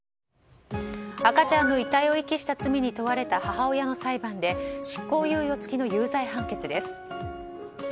赤ちゃんの遺体を遺棄した罪に問われた母親の裁判で執行猶予付きの有罪判決です。